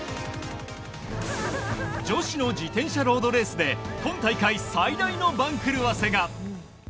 女子の自転車ロードレースで今大会最大の番狂わせが。